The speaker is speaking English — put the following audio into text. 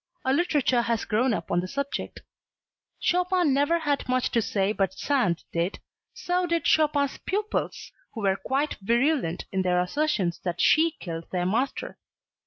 A literature has grown up on the subject. Chopin never had much to say but Sand did; so did Chopin's pupils, who were quite virulent in their assertions that she killed their master.